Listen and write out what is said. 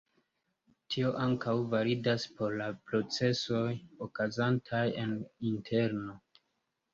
Tio ankaŭ validas por la procesoj okazantaj en la interno.